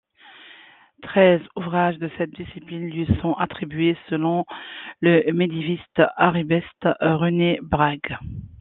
Treize ouvrages de cette discipline lui sont attribués, selon le médiéviste arabisant Rémi Brague.